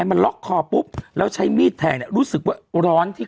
ยังไงยังไงยังไงยังไง